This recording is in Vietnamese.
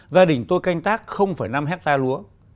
gia đình tôi canh tác năm ha lúa